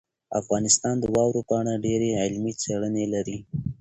افغانستان د واورو په اړه ډېرې علمي څېړنې لري.